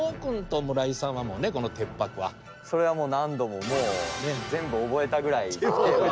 それはもう何度も全部覚えたぐらい。